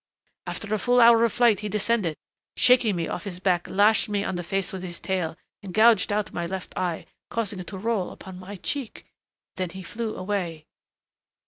After a full hour of flight he descended and shaking me off his back lashed me on the face with his tail, and gouged out my left eye, causing it to roll along my cheek. Then he flew away."